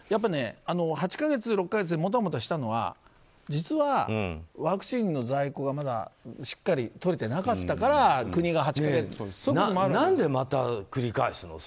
８か月、６か月もたもたしたのは実は、ワクチンの在庫がまだしっかりとれてなかったから何で、また繰り返すの？